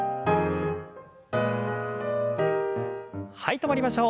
止まりましょう。